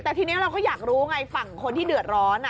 แต่ทีนี้เราก็อยากรู้ไงฝั่งคนที่เดือดร้อน